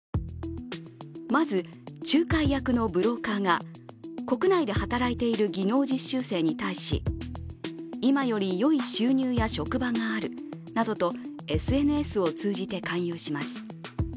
まず仲介役のブローカーが、国内で働いている技能実習生に対し今よりよい収入や職場があるなどとＳＮＳを通じて勧誘します。